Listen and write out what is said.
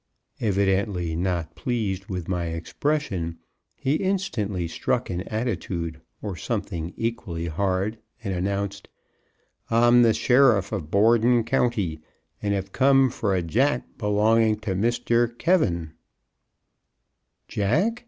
Evidently not pleased with my expression, he instantly struck an attitude, or something equally hard, and announced, "I'm the sheriff of Borden County, and have come for a jack belonging to Mr. K ." "Jack?"